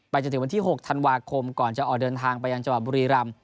จนถึงวันที่๖ธันวาคมก่อนจะออกเดินทางไปยังจังหวัดบุรีรำ